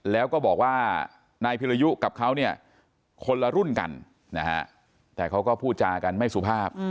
แล้วก็บอกว่านายพิรยุกับเขาเนี่ยคนละรุ่นกันนะฮะแต่เขาก็พูดจากันไม่สุภาพ